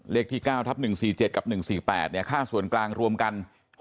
เลขที่๙ทับ๑๔๗กับ๑๔๘เนี่ยค่าส่วนกลางรวมกัน๖๒๐๐๐